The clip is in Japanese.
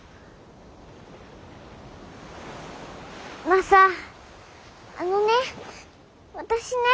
マサあのね私ね。